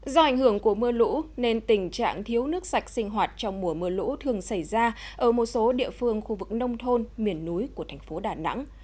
do ảnh hưởng của mưa lũ nên tình trạng thiếu nước sạch sinh hoạt trong mùa mưa lũ thường xảy ra ở một số địa phương khu vực nông thôn miền núi của thành phố đà nẵng